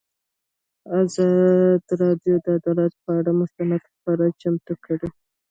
ازادي راډیو د عدالت پر اړه مستند خپرونه چمتو کړې.